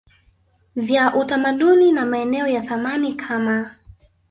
vya utamaduni na maeneo ya thamani kama